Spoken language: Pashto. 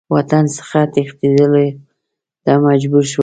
وطن څخه تښتېدلو ته مجبور شول.